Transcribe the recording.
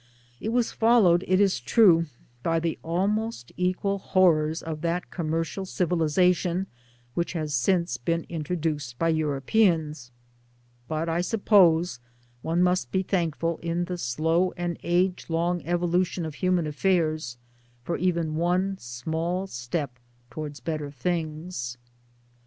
It was followed, it is true, by the almost equal horrors of that commercial civilization which has since been introduced by Europeans ; but I suppose one must be thankful in the slow and age long evolution of PERSONALITIES [233 human affairs for even one small step towards better things.